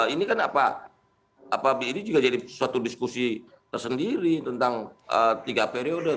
ini kan apa ini juga jadi suatu diskusi tersendiri tentang tiga periode